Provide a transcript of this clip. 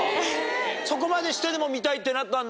そこまでしてでも見たいってなったんだ。